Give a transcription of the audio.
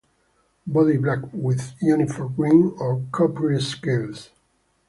Body black with uniform green or coppery scales.